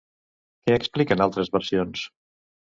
Què expliquen altres versions?